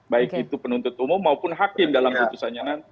baik itu penuntut umum maupun hakim dalam putusannya nanti